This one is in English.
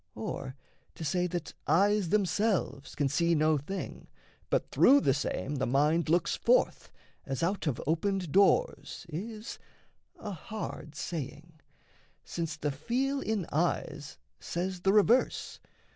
Or, to say that eyes Themselves can see no thing, but through the same The mind looks forth, as out of opened doors, Is a hard saying; since the feel in eyes Says the reverse.